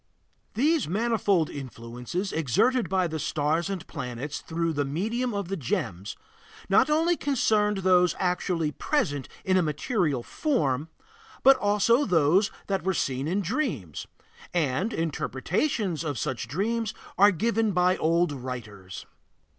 These manifold influences exerted by the stars and planets through the medium of the gems, not only concerned those actually present in a material form, but also those that were seen in dreams, and interpretations of such dreams are given by old writers.